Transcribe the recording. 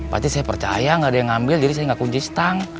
pasti saya percaya ga ada yang ngambil jadi saya ga kunci setang